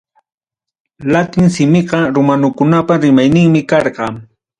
Latin simiqa romanukunapa rimayninmi karqa.